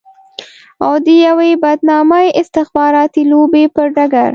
او د يوې بدنامې استخباراتي لوبې پر ډګر.